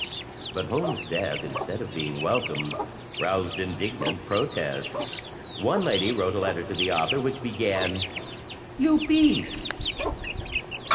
But Holmes's death, instead of being welcomed, roused indignant protest. One lady wrote a letter to the author which began "You beast."